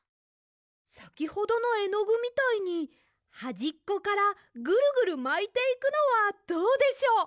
さきほどのえのぐみたいにはじっこからぐるぐるまいていくのはどうでしょう？